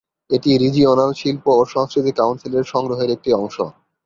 এটি রিজিওনাল শিল্প ও সংস্কৃতি কাউন্সিলের সংগ্রহের একটি অংশ।